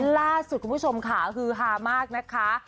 ล่าสุดคุณผู้ชมค่ะฮือฮามากนะคะ